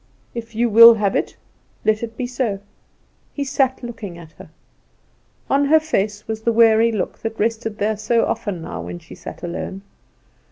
If you will have it, let it be so." He sat looking at her. On her face was the weary look that rested there so often now when she sat alone.